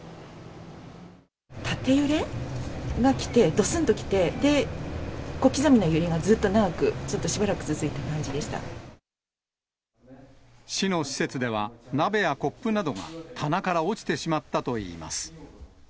縦揺れがきて、どすんときて、小刻みな揺れがずっと長く、ちょっとしばらく続い市の施設では、鍋やコップなどが棚から落ちてしまったといいます。